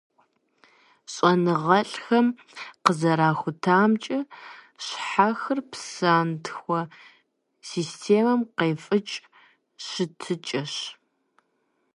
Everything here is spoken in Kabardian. ЩӀэныгъэлӀхэм къызэрахутамкӀэ, щхьэхыр псантхуэ системэм къефыкӀ щытыкӀэщ.